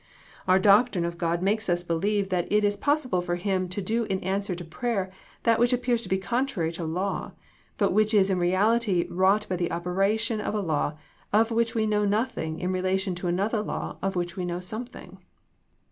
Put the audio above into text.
Our doctrine of God makes us believe that it is possible for Him to do in answer to prayer that which appears to be contrary to law, but which is in reality wrought by the operation of a law of which we know nothing in relation to an other law of which we know something.